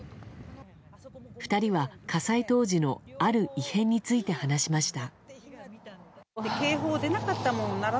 ２人は火災当時のある異変について話しました。